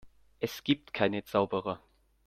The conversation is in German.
Es gibt keine Zauberer.